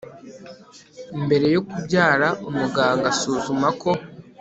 mbere yo kubyara umuganga asuzuma ko